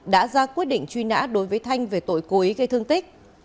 đã ra quyết định truy nã đối với thanh về tội cố ý gây thương tích